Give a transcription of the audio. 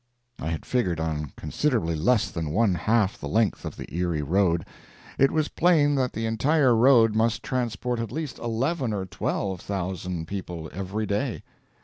I had figured on considerably less than one half the length of the Erie road. It was plain that the entire road must transport at least eleven or twelve thousand people every day.